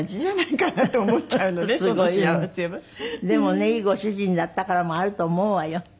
でもねいいご主人だったからもあると思うわよ。